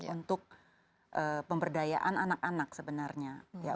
untuk pemberdayaan anak anak sebenarnya